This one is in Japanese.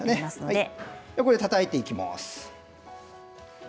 では、たたいていきます。